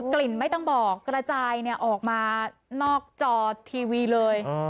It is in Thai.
กลิ่นไม่ต้องบอกกระจายออกมานอกจอทีวีเลย